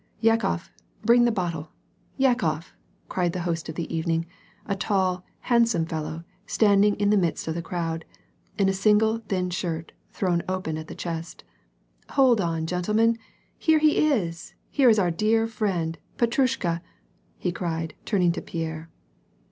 " Yakof, bring the bottle, Yakof !" cried the host of the even ing, a tall, handsome fellow, standing in the midst of tlie crowd, in a single thin shirt, thrown open at the chest. —" Hold on, gentlemen ! Here he is, here is our dear friend, Petnishka," he cried, turning to Pierre.